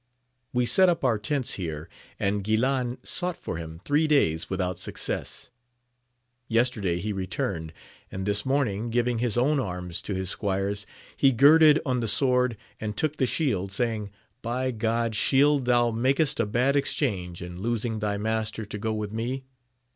We set up our tents here, and Guilan sought for him three days without success : yesterday he returned, and this morning, giving his own arms to his squires, he girded on the sword and took the shield, saying. By God, shield thou makest a bad ex change, in losing thy master to go with me